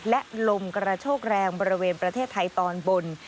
และลมกระโชกแรงบริเวณประเทศไทยตอนบน